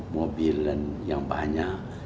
mobil yang banyak